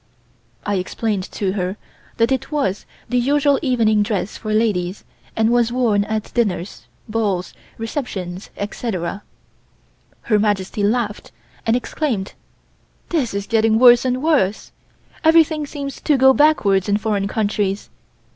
I explained to her that it was the usual evening dress for ladies and was worn at dinners, balls, receptions, etc. Her Majesty laughed and exclaimed: "This is getting worse and worse. Everything seems to go backwards in foreign countries.